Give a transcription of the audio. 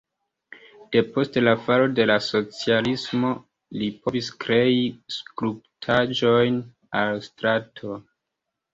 Depost falo de la socialismo li povis krei skulptaĵojn al stratoj.